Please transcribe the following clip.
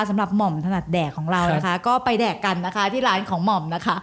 หม่อมถนัดแดกของเรานะคะก็ไปแดกกันนะคะที่ร้านของหม่อมนะคะ